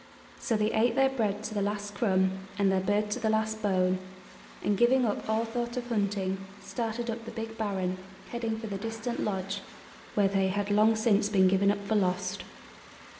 So they ate their bread to the last crumb and their bird to the last bone, and, giving up all thought of hunting, started up the big barren, heading for the distant Lodge, where they had long since been given up for lost.